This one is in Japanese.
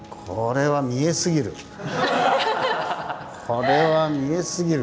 これは見えすぎるな。